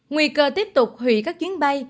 nguy cơ tiếp tục hủy các chuyến bay